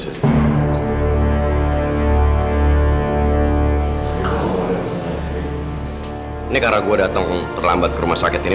ini karena gue datang terlambat ke rumah sakit ini